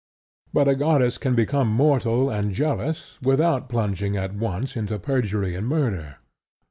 But a goddess can become mortal and jealous without plunging at once into perjury and murder.